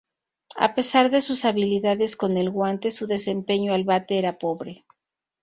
A pesar de sus habilidades con el guante su desempeño al bate era pobre.